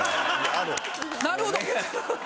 なるほど。